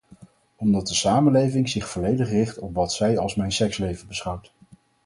Omdat de samenleving zich volledig richt op wat zij als mijn seksleven beschouwt.